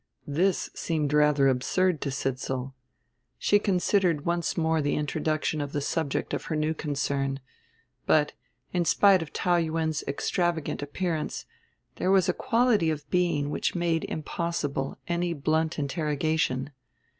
This seemed rather absurd to Sidsall. She considered once more the introduction of the subject of her new concern; but, in spite of Taou Yuen's extravagant appearance, there was a quality of being which made impossible any blunt interrogation.